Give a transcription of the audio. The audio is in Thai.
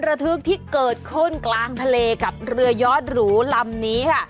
ระทึกที่เกิดขึ้นกลางทะเลกับเรือยอดหรูลำนี้ค่ะ